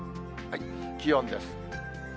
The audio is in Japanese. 気温です。